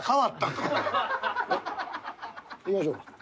行きましょう。